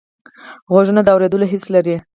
غوږونه د اوریدلو حس لري